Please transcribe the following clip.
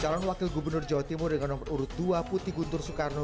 calon wakil gubernur jawa timur dengan nomor urut dua putih guntur soekarno